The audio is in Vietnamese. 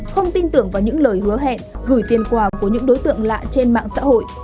không tin tưởng vào những lời hứa hẹn gửi tiền quà của những đối tượng lạ trên mạng xã hội